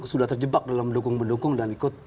sudah terjebak dalam mendukung mendukung dan ikut